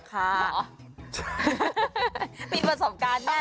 อ๋อใช่มีประสบการณ์แน่เลย